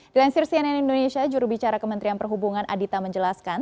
di lansir cnn indonesia jurubicara kementerian perhubungan adhita menjelaskan